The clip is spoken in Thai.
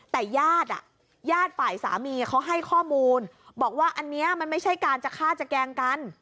แต่ญาติญาติฝ่ายสามีเขาให้ข้อมูลบอกว่าอันนี้มันไม่ใช่การจะฆ่าจะแกล้งกัน